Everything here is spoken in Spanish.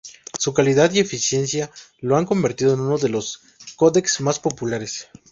Su calidad y eficiencia lo han convertido en uno de los códecs más populares.